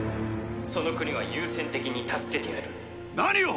「その国は優先的に助けてやる」何を！